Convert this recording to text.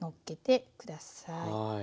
はい。